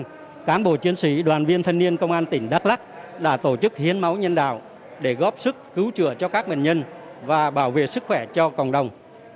các cán bộ chiến sĩ đoàn viên thanh niên công an tỉnh đắk lắc đã tổ chức hiến máu nhân đạo để góp sức cứu chữa cho các bệnh nhân và bảo vệ sức khỏe cho cộng đồng